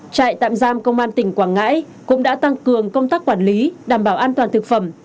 trại tạm giam công an tỉnh quảng ngãi cũng đã tăng cường công tác quản lý đảm bảo an toàn thực phẩm